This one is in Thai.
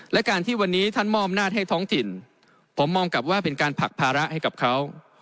และการที่วันนี้ท่านมอบอำนาจให้ท้องถิ่นผมมองกลับว่าเป็นการผลักภาระให้กับเขา